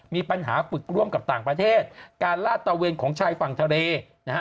มีปัญหาฝึกร่วมกับต่างประเทศการลาดตะเวนของชายฝั่งทะเลนะฮะ